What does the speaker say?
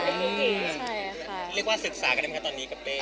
เรียกว่าศึกษากันได้ไหมคะตอนนี้กับเป้